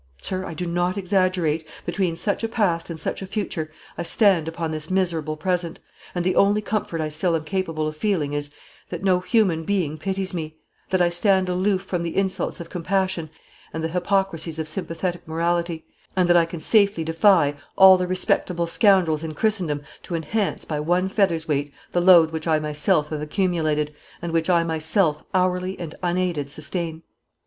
Sir, I do not exaggerate. Between such a past and such a future I stand upon this miserable present; and the only comfort I still am capable of feeling is, that no human being pities me; that I stand aloof from the insults of compassion and the hypocrisies of sympathetic morality; and that I can safely defy all the respectable scoundrels in Christendom to enhance, by one feather's weight, the load which I myself have accumulated, and which I myself hourly and unaided sustain."